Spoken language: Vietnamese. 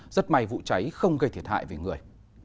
rất may vụ cháy không gây thiệt hại về người